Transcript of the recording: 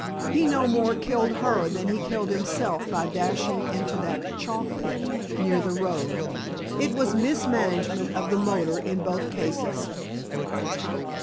He no more killed her than he killed himself by dashing into that chalk pit near the road. It was mismanagement of the motor in both cases."